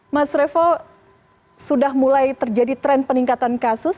mas revo sudah mulai terjadi tren peningkatan kasus